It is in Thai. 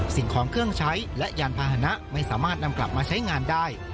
สิ่งของเครื่องใช้และยานพาหนะไม่สามารถนำกลับมาใช้งานได้